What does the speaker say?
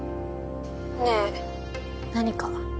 ねえ。何か？